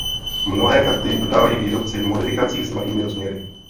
Mnohé karty dodávají výrobci v modifikacích s malými rozměry.